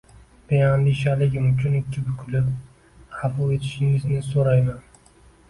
Beandishaligim uchun ikki bukilib afu etishingizni so`rayman